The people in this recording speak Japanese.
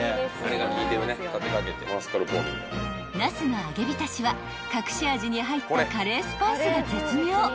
［ナスの揚げ浸しは隠し味に入ったカレースパイスが絶妙］